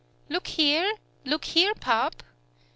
"Look here! Look here, Pup!"